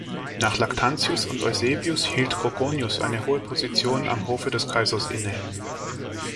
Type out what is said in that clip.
Nach Lactantius und Eusebius hielt Gorgonius eine hohe Position am Hofe des Kaisers inne.